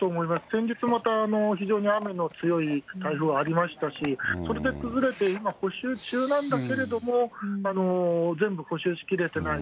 先日、また非常に雨の強い台風がありましたし、それで崩れて、今補修中なんだけれども、全部補修しきれてない。